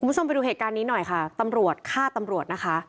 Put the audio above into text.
คุณผู้ชมไปดูเหตุการณ์นี้หน่อยค่ะตำรวจฆ่าตำรวจนะคะ